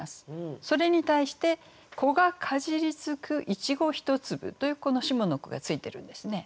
それに対して「子がかじりつく苺ひとつぶ」というこの下の句がついてるんですね。